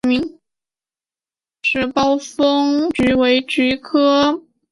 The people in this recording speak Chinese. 齿苞风毛菊为菊科风毛菊属的植物。